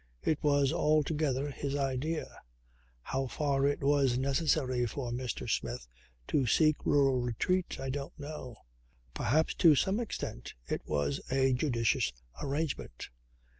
It was altogether his idea. How far it was necessary for Mr. Smith to seek rural retreat I don't know. Perhaps to some extent it was a judicious arrangement.